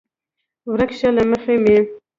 ورک شه له مخې مې!